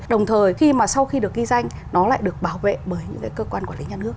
đồng thời khi mà sau khi được ghi danh nó lại được bảo vệ bởi những cái cơ quan quản lý nhà nước